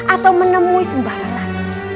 atau menemui sembarangan